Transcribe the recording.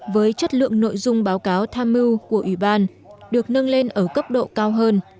với chất lượng nội dung báo cáo tham mưu của ủy ban được nâng lên ở cấp độ cao hơn